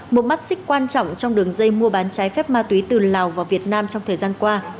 một mắt xích quan trọng trong đường dây mua bán trái phép ma túy từ lào vào việt nam trong thời gian qua